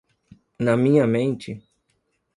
Na minha mente